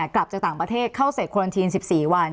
กลับจากต่างประเทศเข้าสเตสกวารันที๑๔วัน